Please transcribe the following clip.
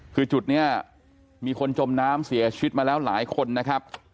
คือจุดนี้มีคนจมน้ำเสียชีวิตมาแล้วหลายคนนะครับ